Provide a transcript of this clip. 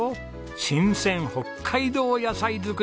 新鮮北海道野菜づくし。